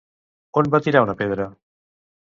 On va tirar una pedra?